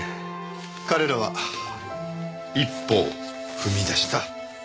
彼らは一歩を踏み出した。